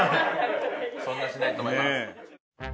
そんなしないと思います。